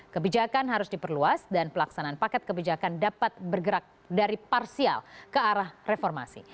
kebijakan harus diperluas dan pelaksanaan paket kebijakan dapat bergerak dari parsial ke arah reformasi